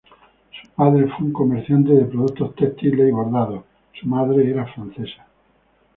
Su padre fue un comerciante de productos textiles y bordados; su madre era francesa.